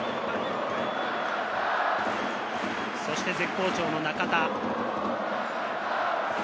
そして絶好調の中田。